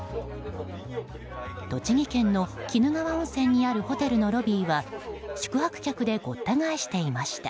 栃木県の鬼怒川温泉にあるホテルのロビーは宿泊客でごった返していました。